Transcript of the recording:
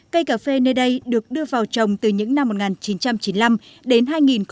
cây cà phê nơi đây được đưa vào trồng từ những năm một nghìn chín trăm chín mươi năm đến hai nghìn một mươi